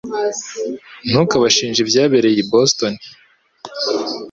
Ntukabashinje ibyabereye i Boston